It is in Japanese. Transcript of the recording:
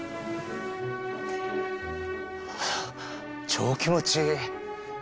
超気持ちいい。